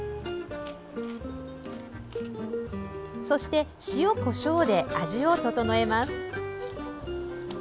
そして塩、こしょうで味を調えます。